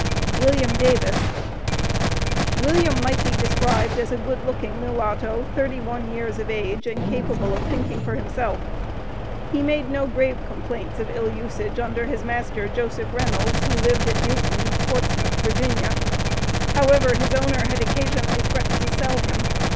WILLIAM DAVIS. William might be described as a good looking mulatto, thirty one years of age, and capable of thinking for himself. He made no grave complaints of ill usage under his master, "Joseph Reynolds," who lived at Newton, Portsmouth, Va. However, his owner had occasionally "threatened to sell him."